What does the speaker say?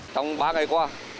trong ba ngày qua